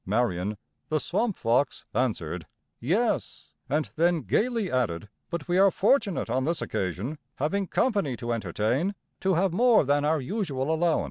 Marion, the "Swamp Fox," answered, "Yes;" and then gayly added, "but we are fortunate on this occasion, having company to entertain, to have more than our usual allowance."